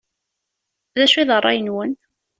D acu i d rray-nwen?